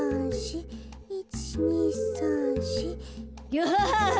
アハハハ。